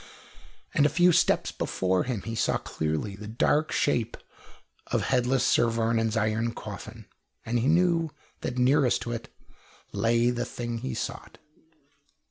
And a few steps before him he saw clearly the dark shape of headless Sir Vernon's iron coffin, and he knew that nearest to it lay the thing he sought.